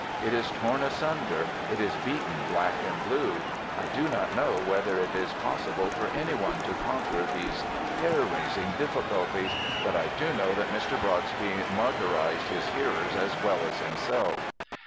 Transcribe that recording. It is torn asunder. It is beaten black and blue. I do not know whether it is possible for any one to conquer these hair raising difficulties, but I do know that Mr. Brodsky martyrized his hearers as well as himself.